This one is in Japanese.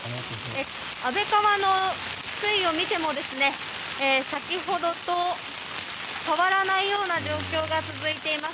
安倍川の水位を見ても先ほどと変わらないような状況が続いています。